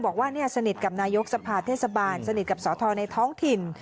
บอกว่าสนิทกับนายกสภาเทศบาลสนิทกับสอทรในท้องถิ่น